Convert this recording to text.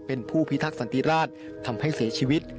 เป็นผู้พิทักษันติราชทำให้เสียชีวิต